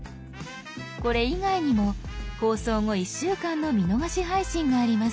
これ以外にも放送後１週間の「見逃し配信」があります。